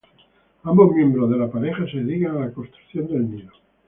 Ambos miembros de la pareja se dedican a la construcción del nido.